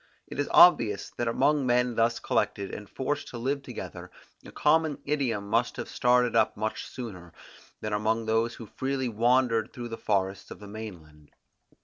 It is obvious that among men thus collected, and forced to live together, a common idiom must have started up much sooner, than among those who freely wandered through the forests of the main land.